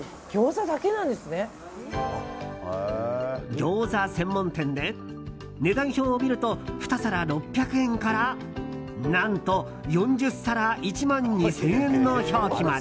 餃子専門店で、値段表を見ると２皿６００円から何と４０皿１万２０００円の表記まで。